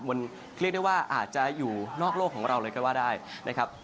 มันเรียกได้ว่าอาจจะอยู่นอกโลกของเราเลยก็ว่าได้นะครับ